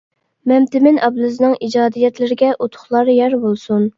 مەمتىمىن ئابلىزنىڭ ئىجادىيەتلىرىگە ئۇتۇقلار يار بولسۇن.